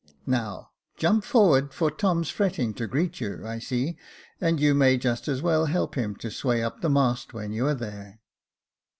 Now, jump forward, for Tom's fretting to greet you, I see, and you may just as well help him to sway up the mast when you are there."